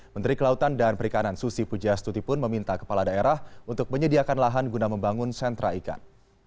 menteri kelautan dan perikanan susi pujastuti pun meminta kepala daerah untuk menyediakan lahan guna membangun sentra ikan